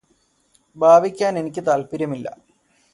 ഭാവിക്കാന് എനിക്ക് താല്പര്യമില്ല